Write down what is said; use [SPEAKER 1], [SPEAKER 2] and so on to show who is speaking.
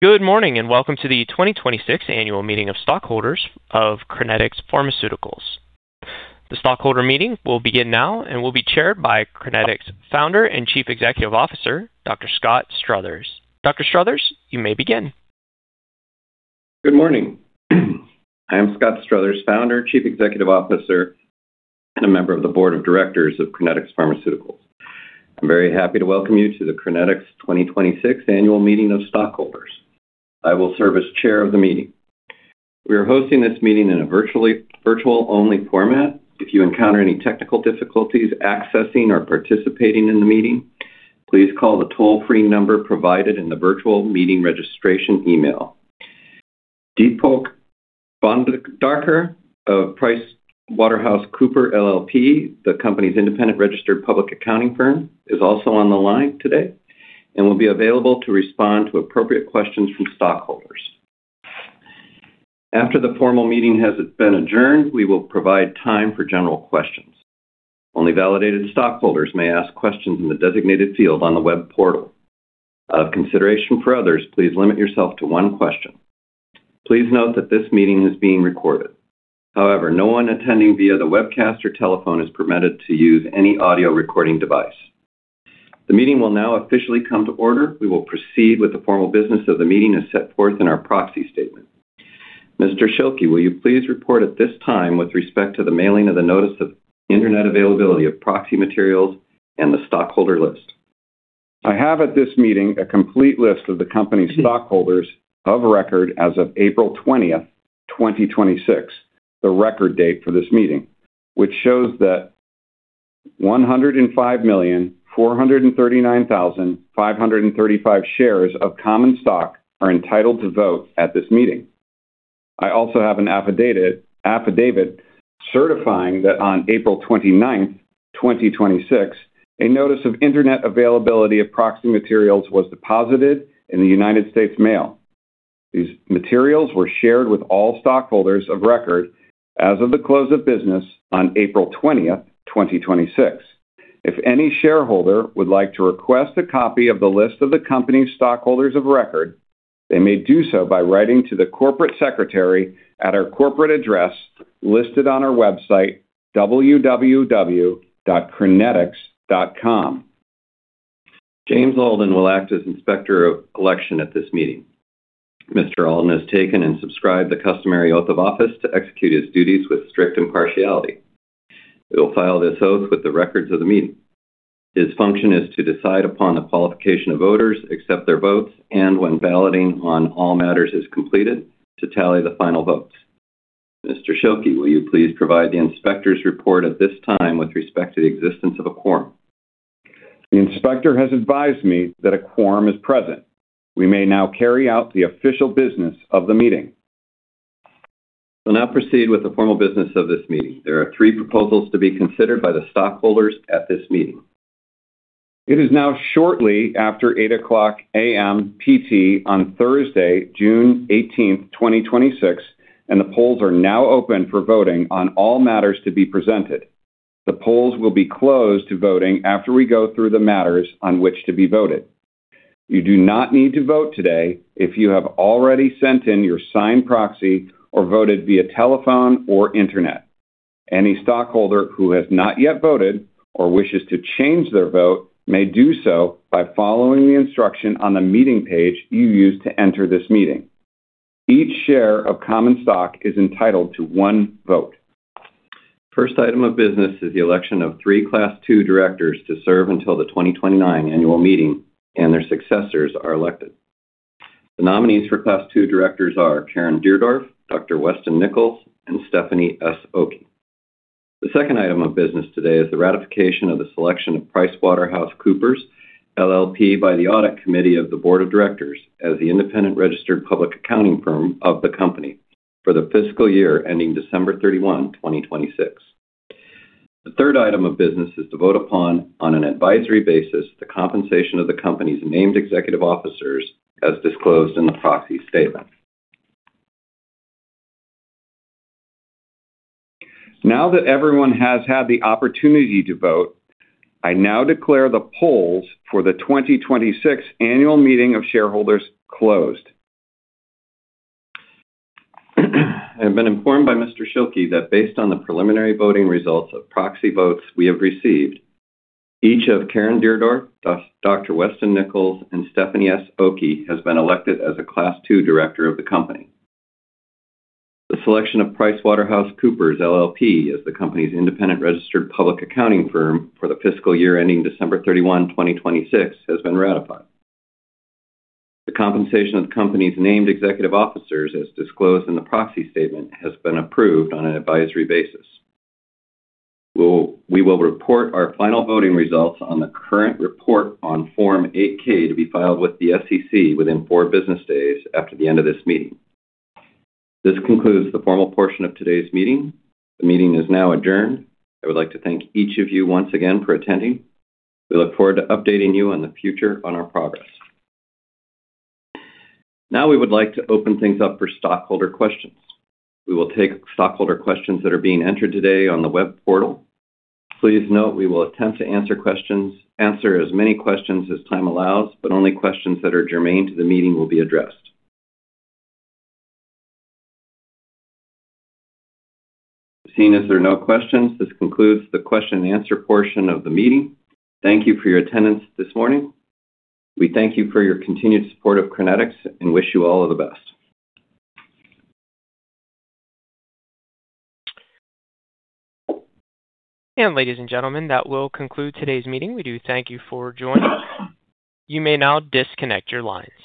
[SPEAKER 1] Good morning, and welcome to the 2026 annual meeting of stockholders of Crinetics Pharmaceuticals. The stockholder meeting will begin now and will be chaired by Crinetics founder and Chief Executive Officer, Dr. Scott Struthers. Dr. Struthers, you may begin.
[SPEAKER 2] Good morning. I am Scott Struthers, founder, Chief Executive Officer, and a member of the board of directors of Crinetics Pharmaceuticals. I'm very happy to welcome you to the Crinetics 2026 annual meeting of stockholders. I will serve as chair of the meeting. We are hosting this meeting in a virtual-only format. If you encounter any technical difficulties accessing or participating in the meeting, please call the toll-free number provided in the virtual meeting registration email. Deepak Bhandarkar of PricewaterhouseCoopers LLP, the company's independent registered public accounting firm, is also on the line today and will be available to respond to appropriate questions from stockholders. After the formal meeting has been adjourned, we will provide time for general questions. Only validated stockholders may ask questions in the designated field on the web portal. Of consideration for others, please limit yourself to one question. Please note that this meeting is being recorded. However, no one attending via the webcast or telephone is permitted to use any audio recording device. The meeting will now officially come to order. We will proceed with the formal business of the meeting as set forth in our proxy statement. Mr. Schilke, will you please report at this time with respect to the mailing of the notice of Internet availability of proxy materials and the stockholder list?
[SPEAKER 3] I have at this meeting a complete list of the company's stockholders of record as of April 20th, 2026, the record date for this meeting, which shows that 105,439,535 shares of common stock are entitled to vote at this meeting. I also have an affidavit certifying that on April 29th, 2026, a notice of Internet availability of proxy materials was deposited in the United States mail. These materials were shared with all stockholders of record as of the close of business on April 20th, 2026. If any shareholder would like to request a copy of the list of the company's stockholders of record, they may do so by writing to the corporate secretary at our corporate address listed on our website, www.crinetics.com.
[SPEAKER 2] James Alden will act as Inspector of Election at this meeting. Mr. Alden has taken and subscribed the customary oath of office to execute his duties with strict impartiality. We will file this oath with the records of the meeting. His function is to decide upon the qualification of voters, accept their votes, and when balloting on all matters is completed, to tally the final votes. Mr. Schilke, will you please provide the inspector's report at this time with respect to the existence of a quorum?
[SPEAKER 3] The inspector has advised me that a quorum is present. We may now carry out the official business of the meeting.
[SPEAKER 2] We'll now proceed with the formal business of this meeting. There are three proposals to be considered by the stockholders at this meeting.
[SPEAKER 3] It is now shortly after eight o'clock A.M. P.T. on Thursday, June 18th, 2026. The polls are now open for voting on all matters to be presented. The polls will be closed to voting after we go through the matters on which to be voted. You do not need to vote today if you have already sent in your signed proxy or voted via telephone or Internet. Any stockholder who has not yet voted or wishes to change their vote may do so by following the instruction on the meeting page you used to enter this meeting. Each share of common stock is entitled to one vote.
[SPEAKER 2] First item of business is the election of three Class two directors to serve until the 2029 annual meeting and their successors are elected. The nominees for Class two directors are Caren Deardorf, Dr. Weston Nichols, and Stephanie S. Okey. The second item of business today is the ratification of the selection of PricewaterhouseCoopers LLP by the Audit Committee of the Board of Directors as the independent registered public accounting firm of the company for the fiscal year ending December 31, 2026. The third item of business is to vote upon, on an advisory basis, the compensation of the company's named executive officers as disclosed in the proxy statement.
[SPEAKER 3] Now that everyone has had the opportunity to vote, I now declare the polls for the 2026 annual meeting of shareholders closed.
[SPEAKER 2] I have been informed by Mr. Schilke that based on the preliminary voting results of proxy votes we have received, each of Caren Deardorf, Dr. Weston Nichols, and Stephanie S. Okey has been elected as a Class two director of the company. The selection of PricewaterhouseCoopers LLP as the company's independent registered public accounting firm for the fiscal year ending December 31, 2026, has been ratified. The compensation of the company's named executive officers, as disclosed in the proxy statement, has been approved on an advisory basis. We will report our final voting results on the current report on Form 8-K to be filed with the SEC within four business days after the end of this meeting. This concludes the formal portion of today's meeting. The meeting is now adjourned. I would like to thank each of you once again for attending. We look forward to updating you on the future on our progress. Now, we would like to open things up for stockholder questions. We will take stockholder questions that are being entered today on the web portal. Please note we will attempt to answer as many questions as time allows, but only questions that are germane to the meeting will be addressed. Seeing as there are no questions, this concludes the question-and-answer portion of the meeting. Thank you for your attendance this morning. We thank you for your continued support of Crinetics and wish you all of the best.
[SPEAKER 1] Ladies and gentlemen, that will conclude today's meeting. We do thank you for joining. You may now disconnect your line.